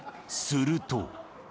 すると。